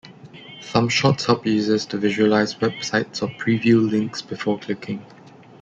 Thumbshots help users to visualize web sites or preview links before clicking.